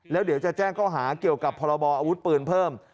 แล้วเดี๋ยวจะแจ้งข้อหาเกี่ยวกับพรบออาวุธปืนเพิ่ม